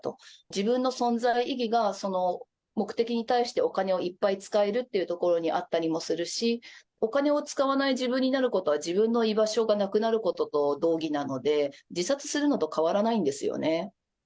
自分の存在意義が、その目的に対して、お金をいっぱい使えるというところにあったりもするし、お金を使わない自分になることは、自分の居場所がなくなることと同義なので、自殺するのと変わらないんですよね。